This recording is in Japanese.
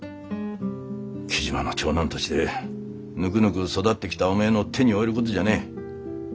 雉真の長男としてぬくぬく育ってきたおめえの手に負えることじゃねえ。